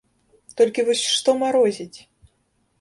Толькі вось што марозіць?